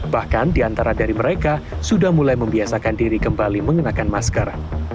bahkan di antara dari mereka sudah mulai membiasakan diri kembali mengenakan masker